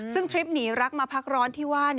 ซึ่งทริปหนีรักมาพักร้อนที่ว่า